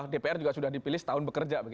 dpr juga sudah dipilih setahun bekerja